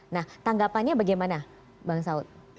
nah tanggapannya bagaimana bang saud